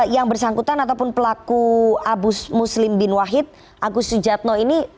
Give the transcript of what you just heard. yang bersangkutan atau pelaku muslim abus bin wahid agus sijatno ini